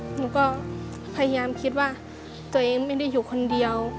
หนูก็พยายามคิดว่าตัวเองไม่ได้อยู่คนเดียว